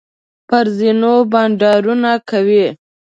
پر زینو بنډارونه کوي.